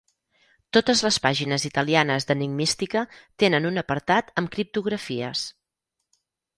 Totes les pàgines italianes d'enigmística tenen un apartat amb criptografies.